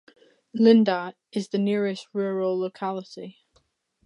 Linda is the nearest rural locality.